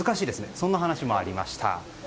そんな話もありました。